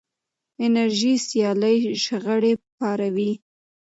انرژي سیالۍ شخړې پاروي.